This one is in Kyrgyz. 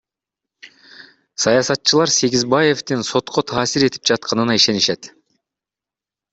Саясатчылар Сегизбаевдин сотко таасир этип жатканына ишенишет.